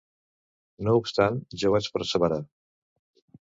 No obstant, jo vaig perseverar.